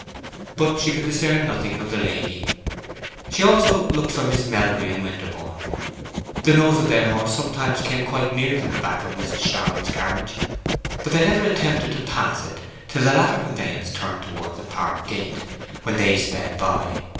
But she could discern nothing of the lady. She also looked for Miss Melbury and Winterborne. The nose of their horse sometimes came quite near the back of Mrs. Charmond's carriage. But they never attempted to pass it till the latter conveyance turned towards the park gate, when they sped by.